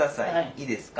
いいですか？